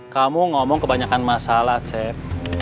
kamu ngomong kebanyakan masalah cep